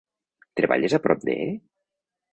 Treballes a prop de??